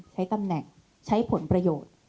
ใช้ตำแหน่งใช้ผลประโยชน์